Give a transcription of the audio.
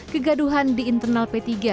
kegaduhan di internal p tiga